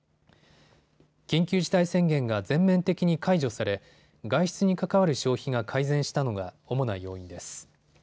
緊急事態宣言が全面的に解除され外出に関わる消費が改善したのが主な要因です。